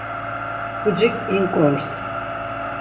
Pucik inǩors.